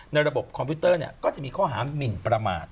ระบบคอมพิวเตอร์ก็จะมีข้อหามินประมาท